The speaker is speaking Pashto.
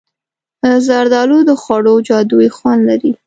زردالو د خوړو جادويي خوند لري.